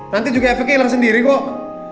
nanti juga efeknya hilang sendiri kok